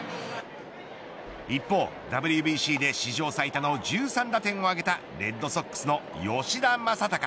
一方、ＷＢＣで史上最多の１３打点を挙げたレッドソックスの吉田正尚。